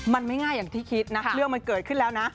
มันไม่ง่ายอย่างที่คิดนะเรื่องมันเกิดขึ้นแล้วนะ